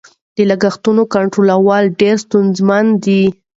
د لګښتونو کنټرولول ډېر ستونزمن دي.